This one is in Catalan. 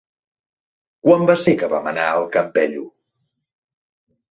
Quan va ser que vam anar al Campello?